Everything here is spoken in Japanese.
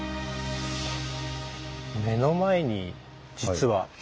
目の前に実は。